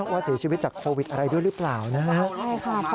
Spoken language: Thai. ว่าเสียชีวิตจากโควิดอะไรด้วยหรือเปล่านะครับ